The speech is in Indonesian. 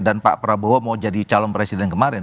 pak prabowo mau jadi calon presiden kemarin